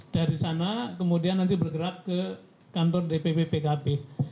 dari sana kemudian nanti bergerak ke kantor dpp pkb